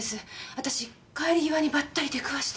私帰り際にばったり出くわして。